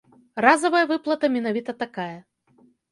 Разавая выплата менавіта такая.